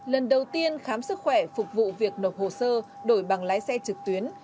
lần đầu tiên khám sức khỏe phục vụ việc nộp hồ sơ đổi bằng lái xe trực tuyến